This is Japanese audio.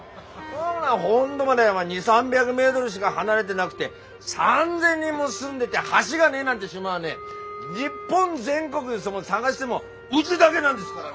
本土までお前２００３００メートルしか離れてなくて３，０００人も住んでて橋がねえなんて島はね日本全国で探してもうぢだげなんですからね。